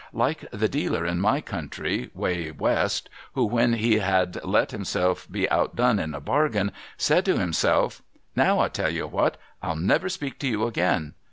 Like the dealer in my country, away West, who when lie had let liimself he outdone in a bargain, said to himself, " Now I tell you what ! I'll never speak to you again."